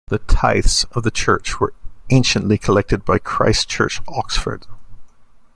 The tithes of the church were anciently collected by Christ Church, Oxford.